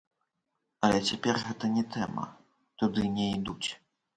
Але цяпер гэта не тэма, туды не ідуць.